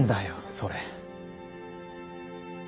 それ。